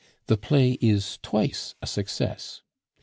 The play is twice a success.